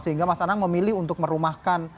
sehingga mas anang memilih untuk merumahkan